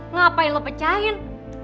ngapain lo pecahin